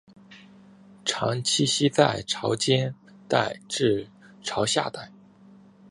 常栖息在潮间带至潮下带。